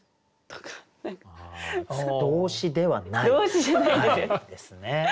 動詞ではないですね。